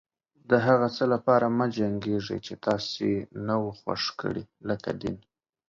د هغه څه لپاره مه جنګيږئ چې تاسې نه و خوښ کړي لکه دين.